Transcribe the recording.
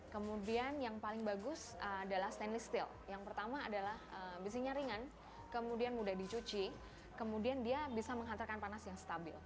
kemudian yang paling bagus adalah stainless steel yang pertama adalah besinya ringan kemudian mudah dicuci kemudian dia bisa menghantarkan panas yang stabil